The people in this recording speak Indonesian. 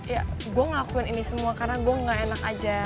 ya gue ngakuin ini semua karena gue gak enak aja